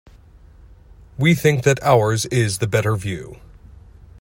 We think that ours is the better view.